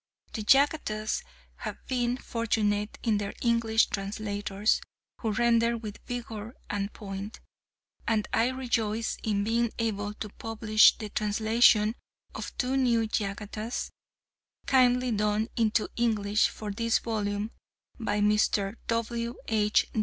The Jatakas have been fortunate in their English translators, who render with vigour and point; and I rejoice in being able to publish the translation of two new Jatakas, kindly done into English for this volume by Mr. W. H.